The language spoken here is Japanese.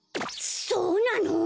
そうなの！？